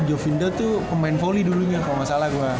govinda tuh pemain volley dulu ya kalau gak salah gue